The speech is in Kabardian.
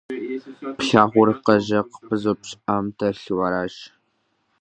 Плъагъуркъэ, жыг пызупщӀам телъу аращ.